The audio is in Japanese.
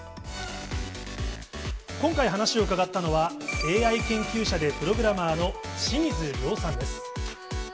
今回、話を伺ったのは、ＡＩ研究者でプログラマーの清水亮さんです。